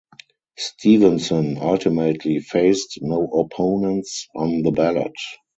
Stevenson ultimately faced no opponents on the ballot.